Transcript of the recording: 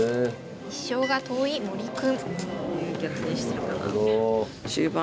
１勝が遠い森君。